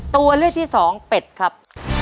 ตัวเลือกที่สองเป็ดครับ